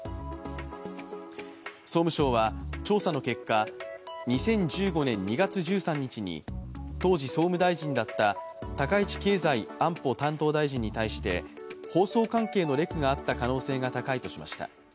総務省は調査の結果、２０１５年２月１３日に当時、総務大臣だった高市経済安保担当大臣に対して放送関係のレクがあった可能性が高いとしました。